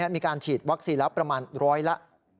มีการฉีดวัคซีนแล้วประมาณร้อยละ